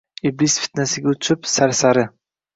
Iblis fitnasiga uchib sarsari